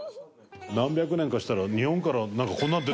何百年かしたら日本からなんか。